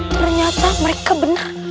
ternyata mereka benar